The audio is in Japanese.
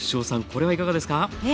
これはいかがですか？